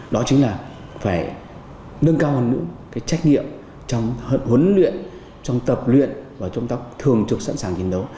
đó chính là phải nâng cao hơn nữa cái trách nhiệm trong huấn luyện trong tập luyện và chúng ta thường trực sẵn sàng chiến đấu